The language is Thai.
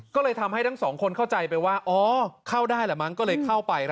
ก็เลยทำให้ทั้งสองคนเข้าใจไปว่าอ๋อเข้าได้แหละมั้งก็เลยเข้าไป